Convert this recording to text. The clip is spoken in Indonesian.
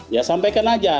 ya sampaikan saja